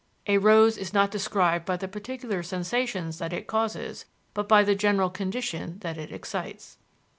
A rose is not described by the particular sensations that it causes, but by the general condition that it excites.